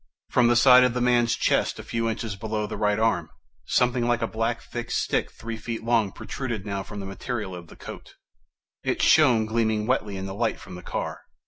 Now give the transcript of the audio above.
From the side of the man's chest, a few inches below the right arm, something like a thick black stick, three feet long, protruded now through the material of the coat. It shone, gleaming wetly, in the light from the car.